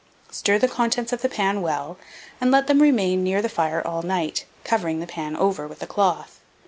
Stir the contents of the pan well, and let them remain near the fire all night, covering the pan over with a cloth.